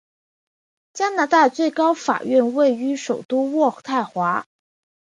加拿大最高法院位置于首都渥太华。